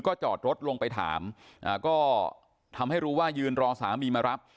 จอดรถลงไปถามก็ทำให้รู้ว่ายืนรอสามีมารับ